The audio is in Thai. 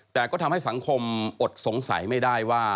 แต่ก็ทำให้สังคมอดสงสัยไม่ได้ว่า